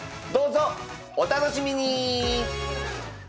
どうぞお楽しみに！